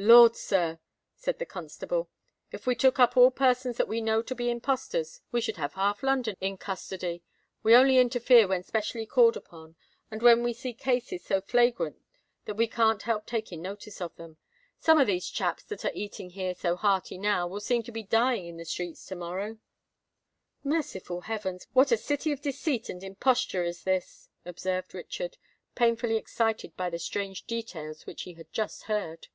"Lord, sir!" said the constable, "if we took up all persons that we know to be impostors, we should have half London in custody. We only interfere when specially called upon, or when we see cases so very flagrant that we can't help taking notice of them. Some of these chaps that are eating here so hearty now, will seem to be dying in the streets to morrow." "Merciful heavens, what a city of deceit and imposture is this!" observed Richard, painfully excited by the strange details which he had just heard.